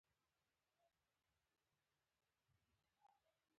د کابل اوبه کمې شوې دي